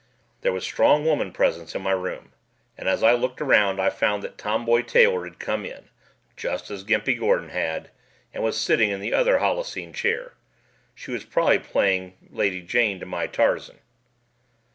There was strong woman presence in my room, and as I looked around I found that Tomboy Taylor had come in just as Gimpy Gordon had and was sitting in the other halluscene chair. She was probably playing Lady Jane to my Tarzan.